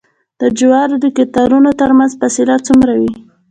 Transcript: د جوارو د قطارونو ترمنځ فاصله څومره وي؟